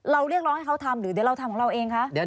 เรียกร้องให้เขาทำหรือเดี๋ยวเราทำของเราเองคะ